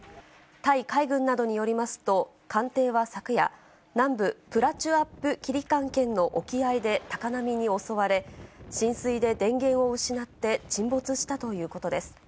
タイ海軍などによりますと、艦艇は昨夜、南部プラチュアップキリカン県の沖合で高波に襲われ、浸水で電源を失って沈没したということです。